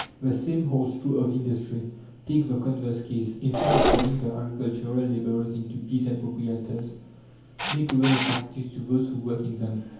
The same holds true of industry. Take the converse case: instead of turning the agricultural labourers into peasant proprietors, make over the factories to those who work in them.